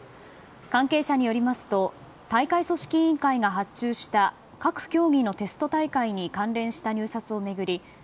関係者によりますと大会組織委員会が発注した各競技のテスト大会に関連した入札を巡り